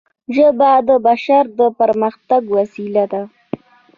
ژبه د بشر د پرمختګ وسیله ده